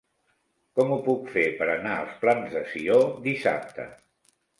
Com ho puc fer per anar als Plans de Sió dissabte?